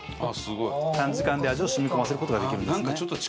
短時間で味を染み込ませる事ができるんですね。